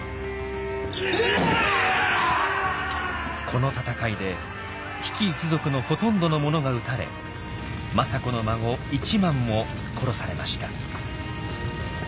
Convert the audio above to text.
この戦いで比企一族のほとんどの者が討たれ政子の孫一幡も殺されました。